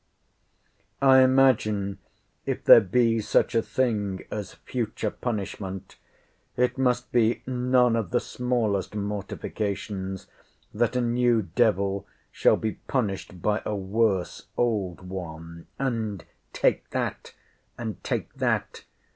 I imagine, if there be such a thing as future punishment, it must be none of the smallest mortifications, that a new devil shall be punished by a worse old one. And, take that! And, take that!